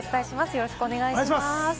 よろしくお願いします。